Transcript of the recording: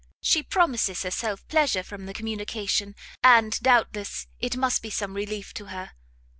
She promises herself pleasure from the communication, and doubtless it must be some relief to her.